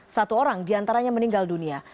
satu orang diantaranya meninggal dunia